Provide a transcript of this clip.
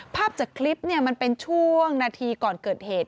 ภาพจากคลิปมันเป็นช่วงนาทีก่อนเกิดเหตุ